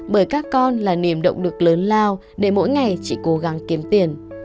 bởi các con là niềm động lực lớn lao để mỗi ngày chị cố gắng kiếm tiền